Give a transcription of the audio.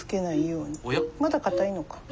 まだ硬いのか。